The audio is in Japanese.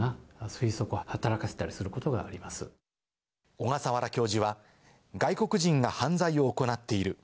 小笠原教授は、外国人が犯罪を行っている。